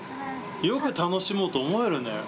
よく楽しもうと思えるね。